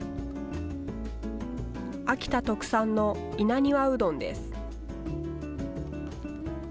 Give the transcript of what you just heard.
秋田特産の稲庭うどんです。